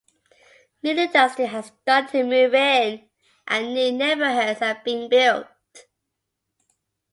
New industry has started to move in and new neighborhoods are being built.